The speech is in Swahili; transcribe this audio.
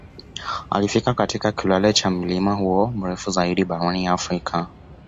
Alifika katika kilele cha mlima huo mrefu zaidi barani Afrika